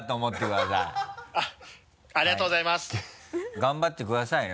頑張ってくださいね